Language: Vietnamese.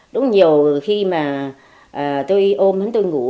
đúng nhiều khi mà tôi ôm hắn tôi ngủ